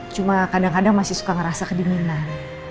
cuma kadang kadang masih suka ngerasa kedinginan